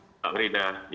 selamat siang rida